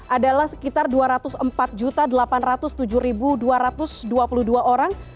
adalah sekitar dua ratus empat delapan ratus tujuh dua ratus dua puluh dua orang